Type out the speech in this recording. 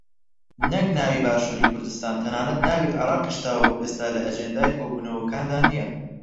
نەک ناوی باشووری کوردستان تەنانەت ناوی عێراقیش تاوەکو ئێستا لە ئەجێندای کۆبوونەوەکاندا نییە